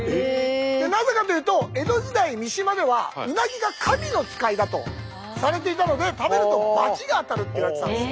なぜかというと江戸時代三島ではうなぎが神の使いだとされていたので食べるとバチが当たるっていわれてたんですよ。